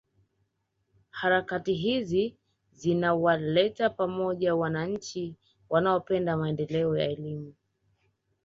Harakati hizi zinawaleta pamoja wananchi wanaopenda maendeleo ya elimu